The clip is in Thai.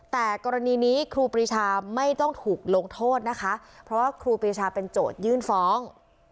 แต่กรณีนี้ครูปรีชาไม่ต้องถูกลงโทษนะคะเพราะว่าครูปรีชาเป็นโจทยื่นฟ้อง